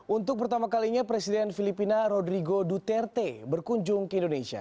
untuk pertama kalinya presiden filipina rodrigo duterte berkunjung ke indonesia